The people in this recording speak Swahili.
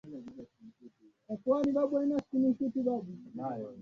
alikuwa kapteni halafu mwaka elfu moja mia tisa sitini na tatu meja